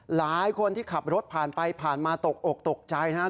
หลายคนที่ขับรถผ่านไปผ่านมาตกอกตกใจนะครับ